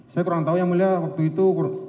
saya kurang tahu yang mulia waktu itu